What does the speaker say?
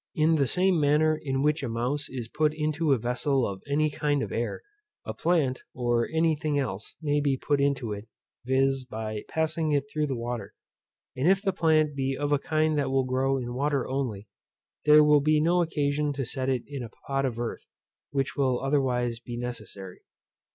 In the same manner in which a mouse is put into a vessel of any kind of air, a plant, or any thing else, may be put into it, viz. by passing it through the water; and if the plant be of a kind that will grow in water only, there will be no occasion to set it in a pot of earth, which will otherwise be necessary.